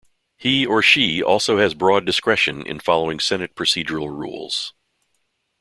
He or she also has broad discretion in following Senate procedural rules.